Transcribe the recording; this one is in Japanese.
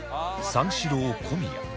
三四郎小宮